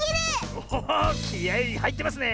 おおおっきあいはいってますね！